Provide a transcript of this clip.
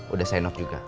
udah sign off juga